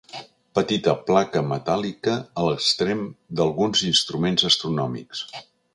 Petita placa metàl·lica a l'extrem d'alguns instruments astronòmics.